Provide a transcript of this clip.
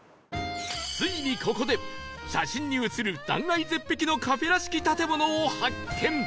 ついにここで写真に写る断崖絶壁のカフェらしき建物を発見！